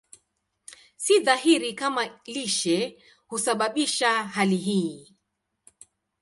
Si dhahiri kama lishe husababisha hali hii.